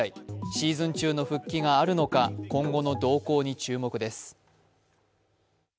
シーズン中の復帰があるのか今後の動向に注目です。